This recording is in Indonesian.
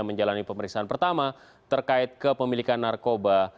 menjalani pemeriksaan pertama terkait kepemilikan narkoba